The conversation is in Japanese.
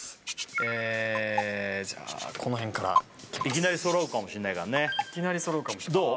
えじゃあこの辺からいきなり揃うかもしんないからねいきなり揃うかもどう？